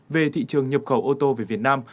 về thị trường nhập khẩu ô tô về việt nam